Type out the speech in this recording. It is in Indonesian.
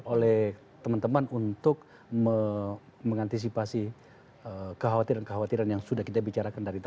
oleh teman teman untuk mengantisipasi kekhawatiran kekhawatiran yang sudah kita bicarakan dari tadi